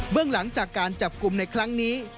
หลังจากการจับกลุ่มในครั้งนี้